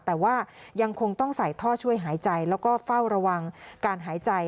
แต่ว่ายังคงต้องใส่ท่อช่วยหายใจแล้วก็เฝ้าระวังการหายใจ